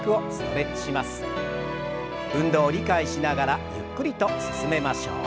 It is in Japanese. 運動を理解しながらゆっくりと進めましょう。